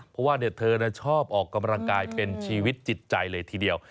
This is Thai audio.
เพราะว่าเธอชอบออกกำลังกายเป็นชีวิตจิตใจเลยทีเดียว